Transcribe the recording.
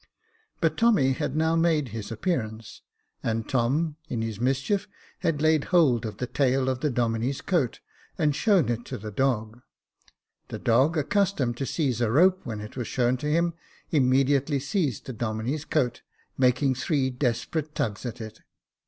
But Tommy had now made his appearance, and Tom, in his mischief, had laid hold of the tail of the Domine's coat, and shown it to the dog. The dog, accustomed to seize a rope when it was shown to him, immediately seized the Domine's coat, making three desperate tugs at it.